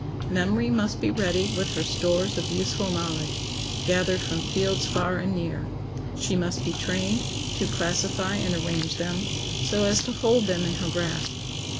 Memory must be ready with her stores of useful knowledge, gathered from fields far and near. She must be trained to classify and arrange them, so as to hold them in her grasp.